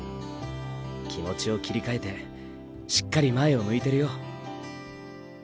気持ちを切り替えてしっかり前を向いてるよ。